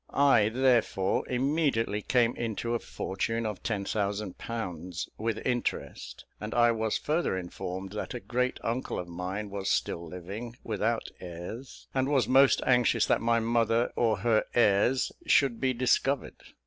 I, therefore, immediately came into a fortune of ten thousand pounds, with interest; and I was further informed that a great uncle of mine was still living, without heirs, and was most anxious that my mother or her heirs should be discovered.